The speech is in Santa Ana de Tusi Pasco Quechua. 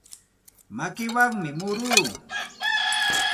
Makiwanmi muruu.